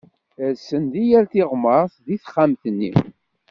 Rsen deg yal tiɣmert deg texxamt-nni